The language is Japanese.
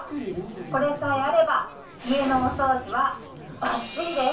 これさえあれば家のお掃除はばっちりです。